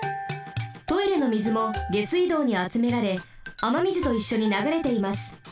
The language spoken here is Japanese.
トイレの水も下水道にあつめられあま水といっしょにながれています。